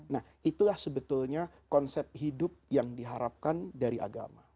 nah itulah sebetulnya konsep hidup yang diharapkan dari agama